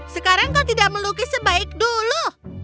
sekarang kau tidak melukis sebaik dulu